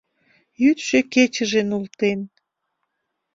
Йӱдшӧ-кечыже нултен...